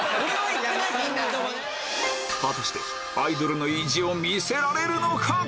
果たしてアイドルの意地を見せられるのか？